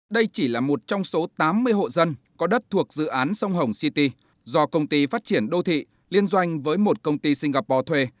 đây chỉ là một trong số tám mươi hộ dân có đất thuộc dự án sông hồng city do công ty phát triển đô thị liên doanh với một công ty singapore thuê